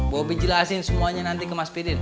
bobi jelasin semuanya nanti ke mas pidin